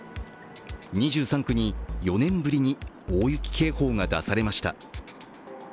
２３区に４年ぶりに大雪警報が出されました。